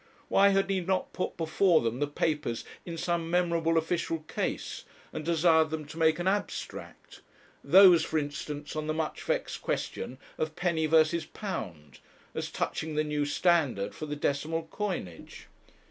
Why had he not put before them the papers in some memorable official case, and desired them to make an abstract; those, for instance, on the much vexed question of penny versus pound, as touching the new standard for the decimal coinage?